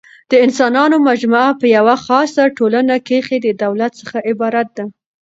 د انسانانو مجموعه په یوه خاصه ټولنه کښي د دولت څخه عبارت ده.